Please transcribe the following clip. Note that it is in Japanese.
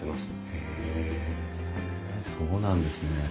へえそうなんですね。